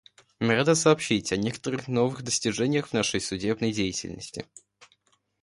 Мы рады сообщить о некоторых новых достижениях в нашей судебной деятельности.